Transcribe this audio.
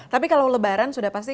tapi kalau lebaran sudah pasti